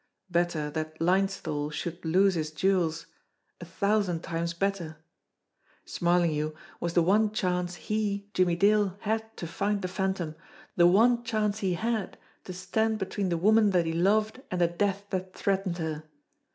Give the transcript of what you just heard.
Better that Linesthal should lose his jewels a thousand times better. Smarlinghue was the one 182 JIMMEE DALE AND THE PHANTOM CLUE chance he, Jimmie Dale, had to find the Phantom, the one chance he had to stand between the woman that he loved and the death that threatened her.